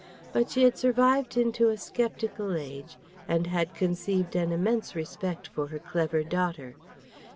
But she had survived into a skeptical age and she had conceived an immense respect for her clever daughter.